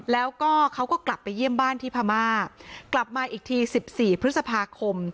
แล้วก็เขาก็กลับไปเยี่ยมบ้านที่พม่ากลับมาอีกทีสิบสี่พฤษภาคม